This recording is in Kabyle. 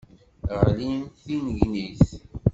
Ɣlin d tinnegnit.